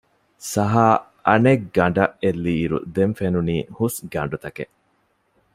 ސަހާ އަނެއްގަނޑަށް އެއްލިއިރު ދެން ފެނުނީ ހުސްގަނޑުތަކެއް